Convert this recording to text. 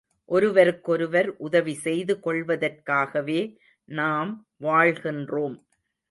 ஒருவருக்கொருவர் உதவி செய்து கொள்வதற்காகவே, நாம் வாழ்கின்றோம்.